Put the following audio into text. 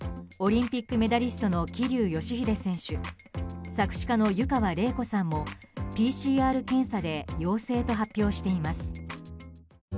オリンピックメダリストの桐生祥秀選手作詞家の湯川れい子さんもＰＣＲ検査で陽性と発表しています。